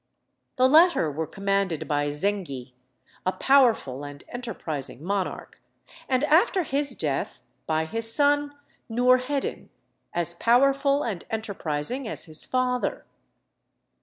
The latter were commanded by Zenghi, a powerful and enterprising monarch, and, after his death, by his son Nourheddin, as powerful and enterprising as his father.